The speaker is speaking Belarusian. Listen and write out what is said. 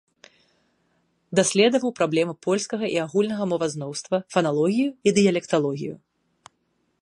Даследаваў праблемы польскага і агульнага мовазнаўства, фаналогію і дыялекталогію.